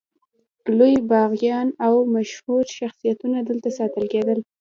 لوی باغیان او مشهور شخصیتونه دلته ساتل کېدل.